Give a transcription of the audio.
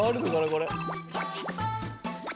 これ。